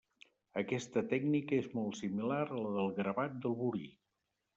Aquesta tècnica és molt similar a la del gravat al burí.